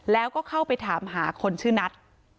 แล้วก็เข้าไปถามหาคนชื่อนัท